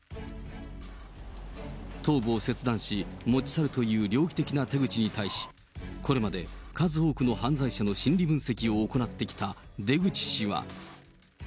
頭部を切断し、持ち去るという猟奇的な手口に対し、これまで数多くの犯罪者の心理分析を行ってきた出口氏は。